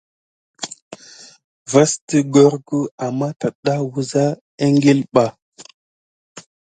Vaki gorkute amà tada wusa ekile ɓā.